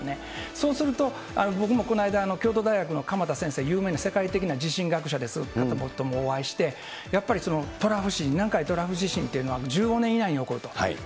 そうすると、僕もこの間、京都大学のかまた先生、有名な世界的な地震学者ですけど、お会いして、やっぱりトラフ地震、南海トラフ地震っていうのは１５年以内に起こると。